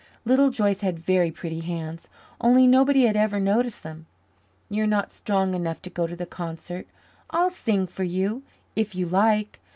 Little Joyce had very pretty hands, only nobody had ever noticed them. "You are not strong enough to go to the concert. I'll sing for you, if you like.